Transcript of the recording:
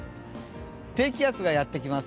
低気圧がやってきます。